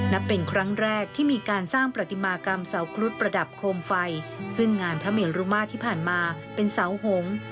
นับเป็นครั้งแรกที่มีการสร้างประติมากรรมเสาครุฑประดับโคมไฟซึ่งงานพระเมรุมาตรที่ผ่านมาเป็นเสาหงษ์